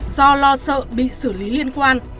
do lo sợ bị xử lý liên quan